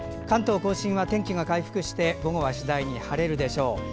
関東・甲信は天気が回復して午後は次第に晴れるでしょう。